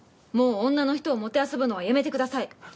もう女の人をもてあそぶのはやめてください。